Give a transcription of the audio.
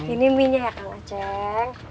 ini mie nya ya kang aceh